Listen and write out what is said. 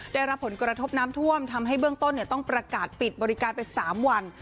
ได้รับผลกระทบน้ำท่วมทำให้เบื้องต้นต้องประกาศปิดบริการไป๓วัน